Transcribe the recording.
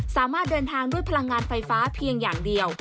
สามารถเดินทางด้วยพลังงานไฟฟ้าเพียงอย่างเดียว